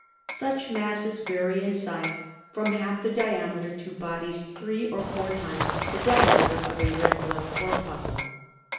Such masses vary in size from half the diameter to bodies three or four times the diameter of a red blodd corpuscle.